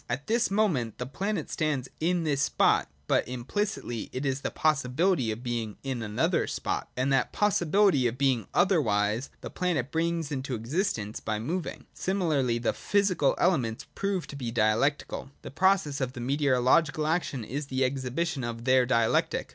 At this moment the planet stands in this spot, but implicitly it is the possibihty of being in another spot ; and that possibility of being otherwise the planet brings into existence by moving. Similarly the ' physical ' elements prove to be Dialectical. The process of meteorological action is the exhibition of their Dialectic.